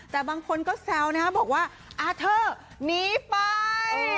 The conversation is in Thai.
แต่บางคนก็แซวนะครับบอกว่าอาเทอร์หนีไป